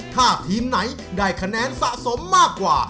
ถ้าทีมไหนได้คะแนนสะสมมากกว่า